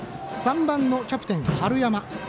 ３番のキャプテン、春山。